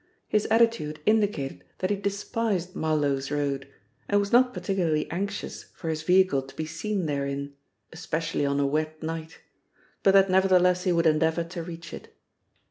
His attitude indicated that he despised Marloes Road, and was not particularly anxious for his vehicle to be seen therein, especially on a wet night, but that nevertheless he would endeavour to reach it.